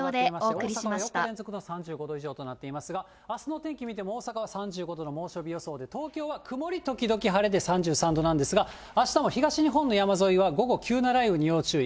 大阪は４日連続の３５度以上となっていますが、あすの天気見ても、大阪は３５度の猛暑日予想で、東京は曇り時々晴れで３３度なんですが、あしたも東日本の山沿いは午後、急な雷雨に要注意。